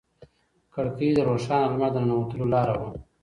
کړکۍ د روښانه لمر د ننوتلو لاره وه.